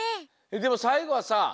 でもさいごはさ